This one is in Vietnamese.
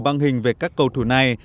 băng hình về các cầu thủ này